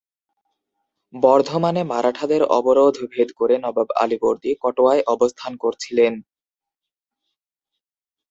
বর্ধমানে মারাঠাদের অবরোধ ভেদ করে নবাব আলীবর্দী কাটোয়ায় অবস্থান করছিলেন।